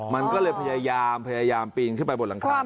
มันก็เลยพยายามปีนขึ้นไปบนหลังคา